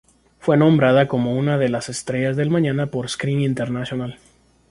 Fue nombrada como una de las "estrellas del mañana" por Screen International.